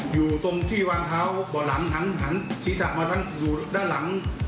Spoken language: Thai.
อยู่ตรงที่วางเท้าบ่อหลังหันศีรษะมาทั้งอยู่ด้านหลัง